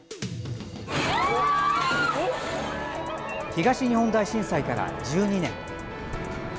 東日本大震災から１２年。